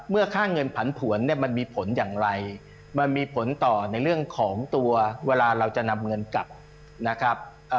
ค่าเงินผันผวนเนี่ยมันมีผลอย่างไรมันมีผลต่อในเรื่องของตัวเวลาเราจะนำเงินกลับนะครับ